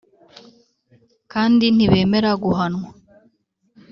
Kandi ntibemera guhanwa